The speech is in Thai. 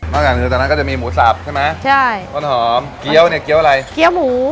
จากเหนือจากนั้นก็จะมีหมูสับใช่ไหมใช่ต้นหอมเกี้ยวเนี่ยเกี้ยวอะไรเกี้ยวหมู